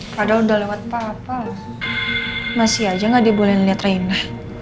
padahal udah lewat papa masih aja gak dia boleh liat rena